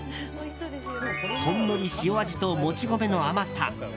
ほんのり塩味と、もち米の甘さ。